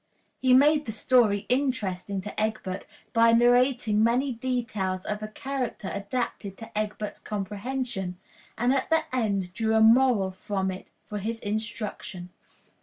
He made the story interesting to Egbert by narrating many details of a character adapted to Egbert's comprehension, and at the end drew a moral from it for his instruction.